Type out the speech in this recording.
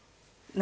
何？